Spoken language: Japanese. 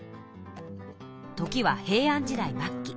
時は平安時代末期。